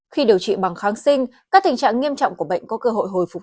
khi điều trị bằng kháng sinh các tình trạng nghiêm trọng của bệnh có cơ hội hồi phục